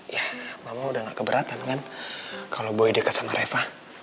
ya bapak udah gak keberatan kan kalau boy dekat sama reva